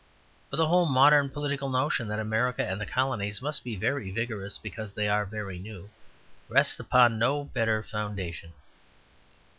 But the whole modern political notion that America and the colonies must be very vigorous because they are very new, rests upon no better foundation.